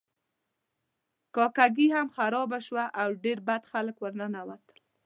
کاکه ګي هم خرابه شوه او ډیر بد خلک ورننوتل.